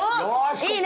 いいね！